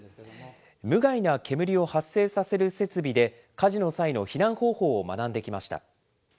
無害な煙を発生させる設備で、火事の際の避難方法を学んできました。